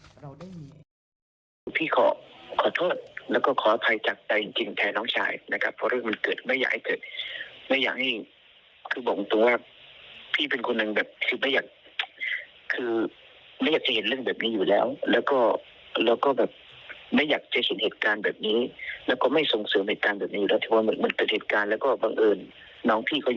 พูดจากแกจะว่าเสียใจแล้วก็ขออภัยจากใจจริง